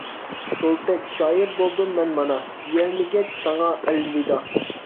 سولتەك شائىر بولدۇم مەن مانا-دېيەلمىگەچ ساڭا ئەلۋىدا.